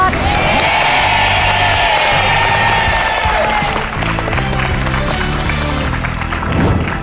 เย้